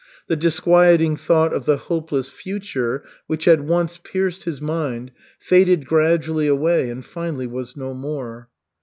The disquieting thought of the hopeless future, which had once pierced his mind, faded gradually away and finally was no more.